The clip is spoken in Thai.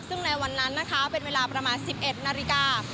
ซึ่งในวันนั้นนะคะเป็นเวลาประมาณ๑๑นาฬิกา